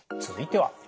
続いては。